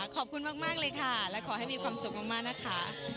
ขอบคุณมากเลยค่ะและขอให้มีความสุขมากนะคะ